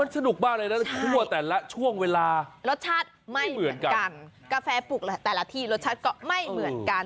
สนุกมากเลยนะทั่วแต่ละช่วงเวลารสชาติไม่เหมือนกันกาแฟปลุกแหละแต่ละที่รสชาติก็ไม่เหมือนกัน